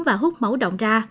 bà hút máu động ra